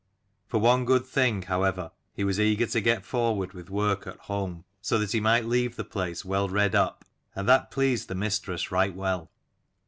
For one good thing, however, he was eager to get forward with work at home, so that he might leave the place well redd up : and that pleased the mistress right well.